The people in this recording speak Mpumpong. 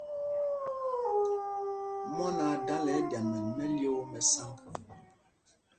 Mwán aa dala nɛ ɛɗyamɛl mɛ́lyōō mɛ́ sǎŋg.